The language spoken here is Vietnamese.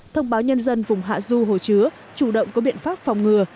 thông báo nhân dân vùng hạ du hồ chứa chủ động có biện pháp phòng ngừa